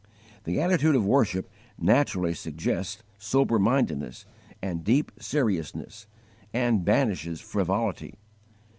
The attitude of worship naturally suggests sober mindedness and deep seriousness, and banishes frivolity.